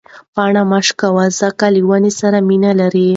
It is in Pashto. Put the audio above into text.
پاڼه مه شکوئ ځکه له ونې سره مینه لري.